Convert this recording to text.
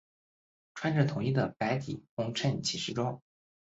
穿着统一的白底红衬骑士装。